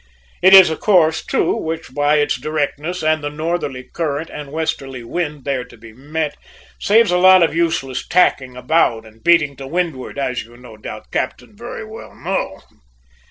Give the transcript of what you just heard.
It is a course, too, which by its directness and the northerly current and westerly wind there to be met, saves a lot of useless tacking about and beating to windward, as you, no doubt, captain, very well know."